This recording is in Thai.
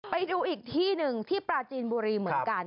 ไปดูอีกที่หนึ่งที่ปราจีนบุรีเหมือนกัน